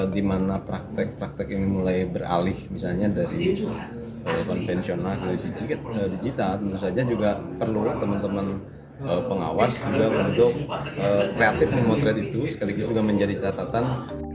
di mana praktek praktek ini mulai beralih misalnya dari konvensional dari digital tentu saja juga perlu teman teman pengawas juga untuk kreatif memotret itu sekaligus juga menjadi catatan